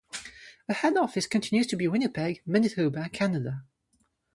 The head office continues to be Winnipeg, Manitoba, Canada.